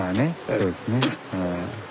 そうですね。